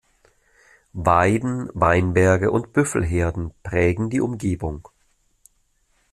Weiden, Weinberge und Büffelherden prägen die Umgebung.